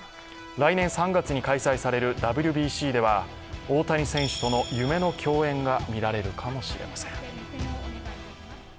来年３月に開催されるＷＢＣでは大谷選手との、夢の共演が見られるかもしれません。